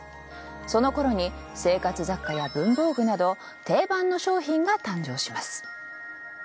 その頃に生活雑貨や文房具など定番の商品が誕生します。